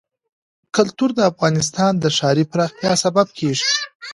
کلتور د افغانستان د ښاري پراختیا سبب کېږي.